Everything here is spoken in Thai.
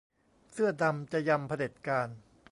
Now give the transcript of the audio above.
เสื้อดำจะยำเผด็จการ